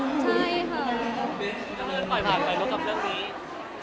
เบ๊กพระเบิร์ตปล่อยบ่อยกับเรื่องนี้